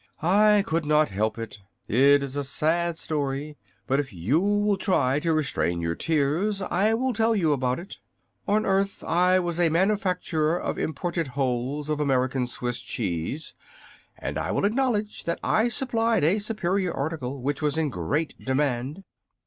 "I could not help it. It is a sad story, but if you will try to restrain your tears I will tell you about it. On earth I was a manufacturer of Imported Holes for American Swiss Cheese, and I will acknowledge that I supplied a superior article, which was in great demand.